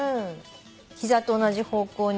膝と同じ方向に爪先か。